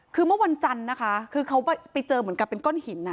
คือเมื่อวันจันทร์นะคะคือเขาไปเจอเหมือนกับเป็นก้อนหิน